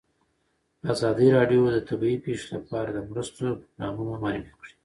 ازادي راډیو د طبیعي پېښې لپاره د مرستو پروګرامونه معرفي کړي.